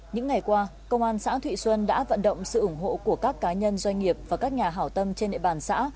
những ngày qua công an xã thụy xuân đã vận động sự ủng hộ của các cá nhân doanh nghiệp và các nhà hảo tâm trên địa bàn xã